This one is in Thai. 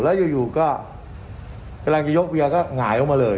แล้วอยู่ก็เวลาอยากจะยกเบียร์ก็หงายออกมาเลย